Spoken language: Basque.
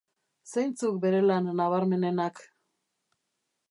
Zeintzuk bere lan nabarmenenak?